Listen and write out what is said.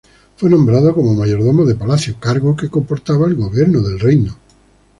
Fue nombrado como mayordomo de palacio, cargo que comportaba el gobierno del reino.